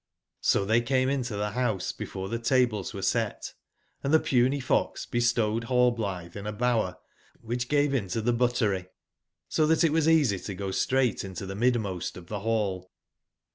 So they came to the house before the tables were set, and the Puny fox bestowed Hallblithe in a bower which gfave into the buttery, so that it was easy to go straight into the mid/most of the hall.